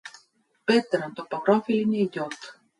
Peeter on topograafiline idioot.